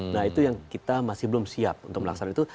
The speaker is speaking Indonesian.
nah itu yang kita masih belum siap untuk melaksanakan itu